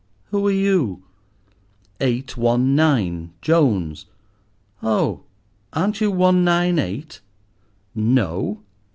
"Who are you?" "Eight one nine, Jones." "Oh, aren't you one nine eight?" "No."